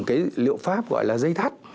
cái liệu pháp gọi là dây thắt